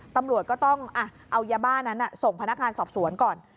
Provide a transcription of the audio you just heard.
ตำรวจก็ต้องเอายาบ้านั้นส่งพนักงานสอบสวนก่อน